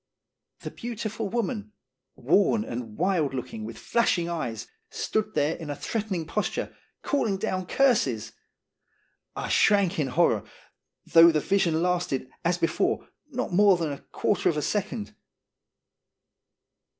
The beautiful woman, worn and wild looking, with flashing eyes, stood there in a threatening posture, calling down curses ! I shrank in horror, though the vision lasted, as before, not more than a quarter of a second.